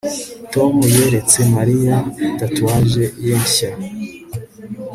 Tom yeretse Mariya tatouage ye nshya